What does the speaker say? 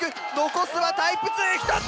残すはタイプ２１つ！